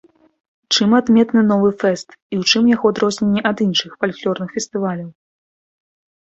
Чым адметны новы фэст і ў чым яго адрозненне ад іншых фальклорных фестываляў?